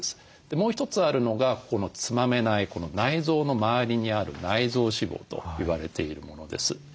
もう一つあるのがこのつまめない内臓の周りにある内臓脂肪と言われているものです。